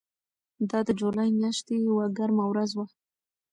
دا د جولای میاشتې یوه ګرمه ورځ وه.